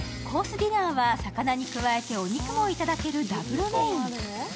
ディナーは魚に加えてお肉もいただけるダブルメイン。